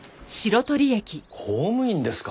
公務員ですか？